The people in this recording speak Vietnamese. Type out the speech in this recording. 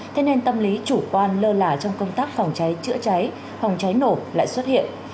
thế nên tâm lý chủ quan lơ lả trong công tác phòng cháy chữa cháy phòng cháy nổ lại xuất hiện